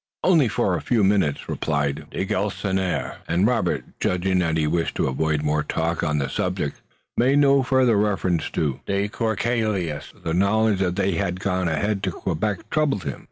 "Only for a few moments," replied de Galisonnière, and Robert, judging that he wished to avoid more talk on the subject, made no further reference to de Courcelles. But the knowledge that he had gone on ahead to Quebec troubled him.